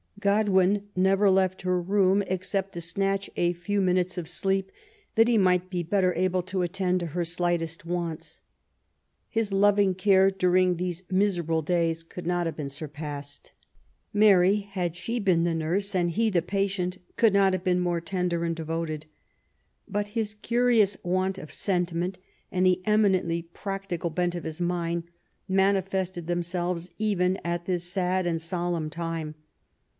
Godwin never left her room except to snatch a few moments of sleep that he might be better able to attend to her slightest wants. His loving care during these miserable days could not have been surpassed. Mary, had she been the nurse, and he the patient, could not have been more tender and devoted. But his curious want of sentiment, and the eminently practical bent of his mind, manifested themselves even at this sad and solemn time.